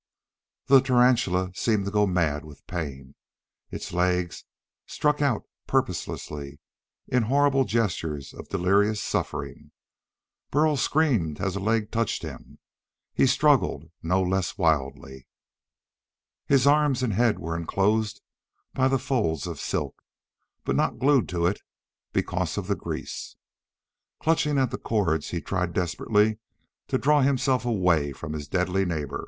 The tarantula seemed to go mad with pain. Its legs struck out purposelessly, in horrible gestures of delirious suffering. Burl screamed as a leg touched him. He struggled no less wildly. His arms and head were enclosed by the folds of silk, but not glued to it because of the grease. Clutching at the cords he tried desperately to draw himself away from his deadly neighbor.